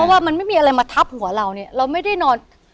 ว่ามันไม่มีอะไรมาทับหัวเราเนี่ยเราไม่ได้นอน